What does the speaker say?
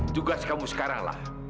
tugas kamu sekaranglah